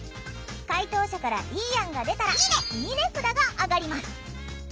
解答者からいい案が出たら「いいね！」札が上がります。